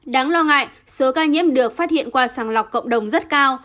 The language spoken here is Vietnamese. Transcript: đáng lo ngại số ca nhiễm được phát hiện qua sàng lọc cộng đồng rất cao